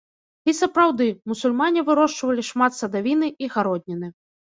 І сапраўды, мусульмане вырошчвалі шмат садавіны і гародніны.